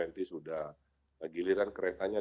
nanti sudah giliran keretanya